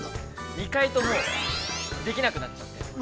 ◆２回ともできなくなっちゃって。